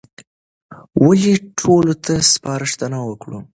والي ټولو ته سپارښتنه وکړه.